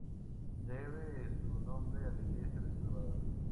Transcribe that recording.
Debe su nombre a la iglesia del Salvador.